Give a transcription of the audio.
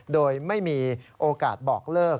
โดยไม่มีโอกาสบอกเลิก